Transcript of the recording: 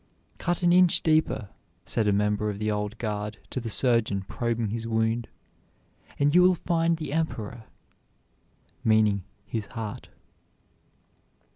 "Cut an inch deeper," said a member of the Old Guard to the surgeon probing his wound, "and you will find the Emperor," meaning his heart.